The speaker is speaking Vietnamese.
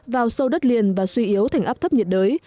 vào sâu đất liền và suy yếu thành áp thấp nhiệt đới